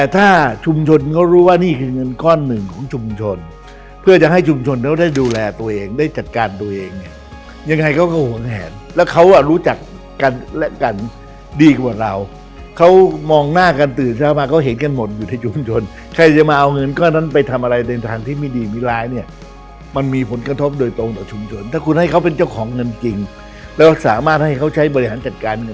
ตัวเองได้จัดการตัวเองยังไงเขาก็ห่วงแหนแล้วเขาอ่ะรู้จักกันและกันดีกว่าเราเขามองหน้ากันตื่นเช้ามาเขาเห็นกันหมดอยู่ในชุมชนใครจะมาเอาเงินก้อนนั้นไปทำอะไรในทางที่มีดีมีร้ายเนี้ยมันมีผลกระทบโดยตรงต่อชุมชนถ้าคุณให้เขาเป็นเจ้าของเงินจริงแล้วสามารถให้เขาใช้บริหารจัดการเงิ